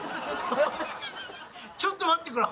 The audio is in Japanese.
ちょっと待ってくれ！